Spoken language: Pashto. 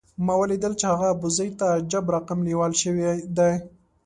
ما ولیدل چې هغه ابوزید ته عجب رقم لېوال شوی دی.